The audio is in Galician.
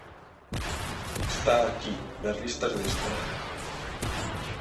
Está aquí, nas lista de espera.